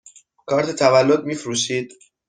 کارت تولد می فروشید؟